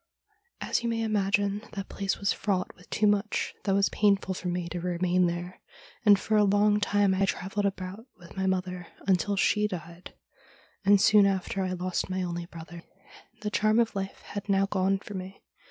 ' As you may imagine, that place was fraught with too much that was painful for me to remain there, and for a long time I travelled about with my mother, until she died, and soon after I lost my only brother, The charm of life had now gone for me.